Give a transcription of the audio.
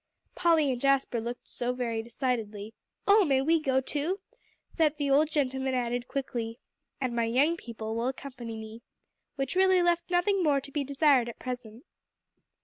Polly and Jasper looked so very decidedly "Oh, may we go too?" that the old gentleman added quickly, "And my young people will accompany me," which really left nothing more to be desired at present.